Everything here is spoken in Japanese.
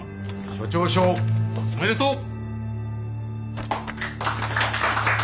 署長賞おめでとう！